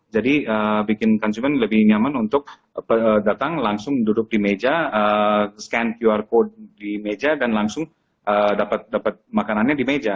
jadi bikin konsumen lebih nyaman untuk datang langsung duduk di meja scan qr code di meja dan langsung dapat makanannya di meja